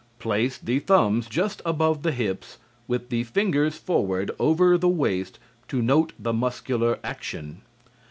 Place the thumbs just above the hips, with the fingers forward over the waist to note the muscular action.